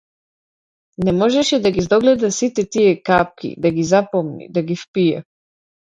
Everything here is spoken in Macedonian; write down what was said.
Не можеше да ги здогледа сите тие капки, да ги запомни, да ги впие.